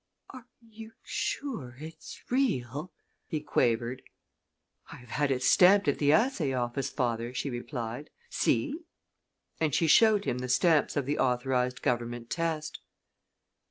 "Are you sure it's real?" he quavered. "I have had it stamped at the assay office, father," she replied. "See!" And she showed him the stamps of the authorized government test.